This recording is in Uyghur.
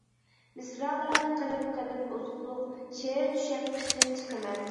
مىسرالارنى قىلىپ قىلىپ ئوزۇقلۇق، شېئىر چۈشەپ قىشتىن چىقىمەن.